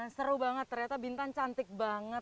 seru banget ternyata bintan cantik banget